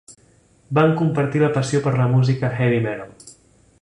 Van compartir la passió per la música heavy-metal.